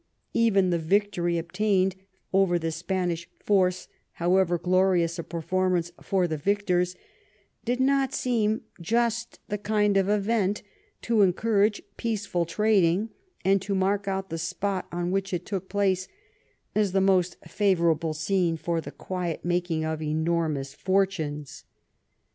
Eyen the yictory obtained oyer the Spanish force, howeyer glorious a performance for the victors, did not seem just the kind of event to encourage peace ful trading, and to mark out the spot on which it took place as the most favorable scene for the quiet making of enormous fortxines.